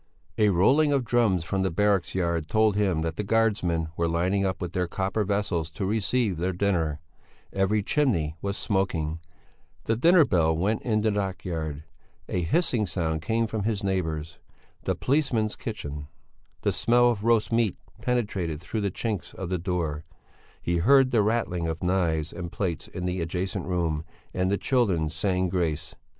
A rolling of drums from the barracks yard told him that the guardsmen were lining up with their copper vessels to receive their dinner; every chimney was smoking; the dinner bell went in the dockyard; a hissing sound came from his neighbour's, the policemen's kitchen; the smell of roast meat penetrated through the chinks of the door; he heard the rattling of knives and plates in the adjacent room, and the children saying grace.